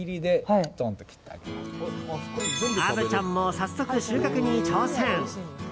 虻ちゃんも早速、収穫に挑戦。